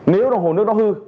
nếu đồng hồ nước nó hư